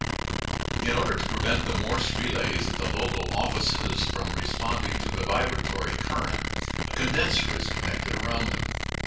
In order to prevent the Morse relays at the local offices from responding to the vibratory current a condenser is connected around them.